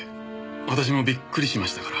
私もびっくりしましたから。